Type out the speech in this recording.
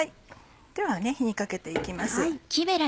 では火にかけて行きます。